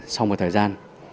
sau một thời gian